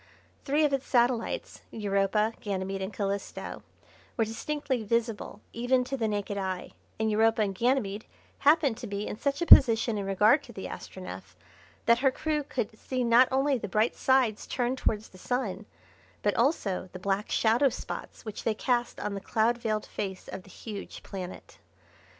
Three of its satellites, Europa, Ganymede, and Calisto, were distinctly visible even to the naked eye, and Europa and Ganymede, happened to be in such a position in regard to the Astronef that her crew could see not only the bright sides turned towards the Sun, but also the black shadow spots which they cast on the cloud veiled face of the huge planet.